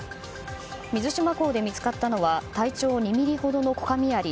水島港で見つかったのは体長２ｍｍほどのコカミアリ